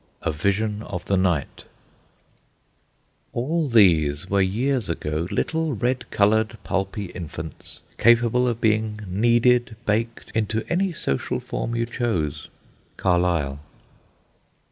A VISION OF THE NIGHT All these were years ago little red coloured, pulpy infants, capable of being kneaded, baked, into any social form you chose.—CARLYLE.